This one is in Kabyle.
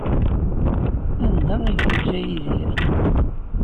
Anda ay t-yeǧǧa Yidir?